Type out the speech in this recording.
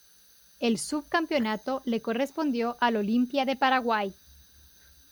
El subcampeonato le correspondió al Olimpia, de Paraguay.